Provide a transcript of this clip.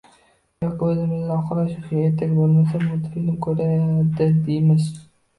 Yoki o`zimizni oqlash uchun Ertak bo`lmasa, multfilm ko`radi, deymiz